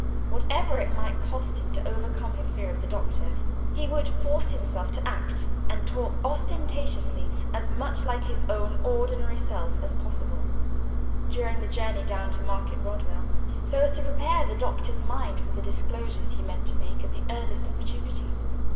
Whatever it might cost him to overcome his fear of the Doctor, he would force himself to act and talk ostentatiously, as much like his own ordinary self as possible, during the journey down to Market Rodwell, so as to prepare the Doctor's mind for the disclosures he meant to make at the earliest opportunity.